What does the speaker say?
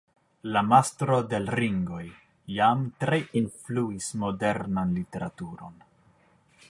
La Mastro de l' Ringoj jam tre influis modernan literaturon.